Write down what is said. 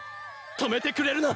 止めてくれるな！